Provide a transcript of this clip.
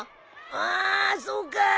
あそうか。